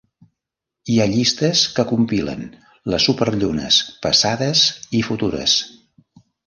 Hi ha llistes que compilen les superllunes passades i futures.